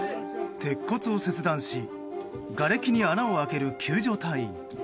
鉄骨を切断しがれきに穴を開ける救助隊員。